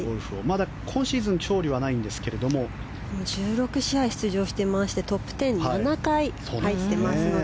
まだ今シーズン勝利はないんですけど１６試合出場してトップ１０に７回入っていますので。